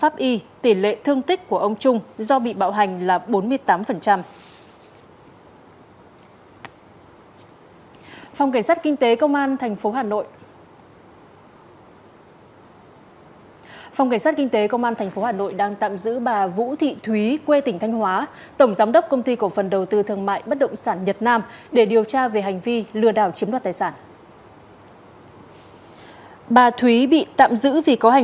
phòng cảnh sát kinh tế công an tp hà nội đang tạm giữ bà vũ thị thúy quê tỉnh thanh hóa